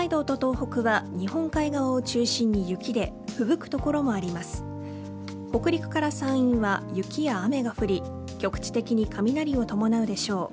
北陸から山陰は雪や雨が降り局地的に雷を伴うでしょう。